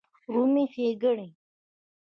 رومي ښېګڼې